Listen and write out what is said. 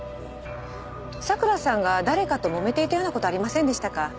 咲良さんが誰かともめていたような事ありませんでしたか？